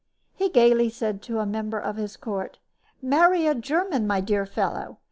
He gaily said to a member of the court: "Marry a German, my dear fellow.